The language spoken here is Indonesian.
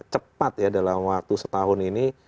cepat ya dalam waktu setahun ini